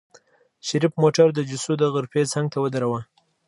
شريف موټر د جوسو د غرفې څنګ ته ودروه.